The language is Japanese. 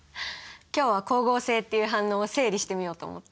今日は光合成っていう反応を整理してみようと思って。